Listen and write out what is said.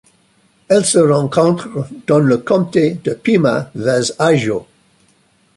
Elle se rencontre dans le comté de Pima vers Ajo.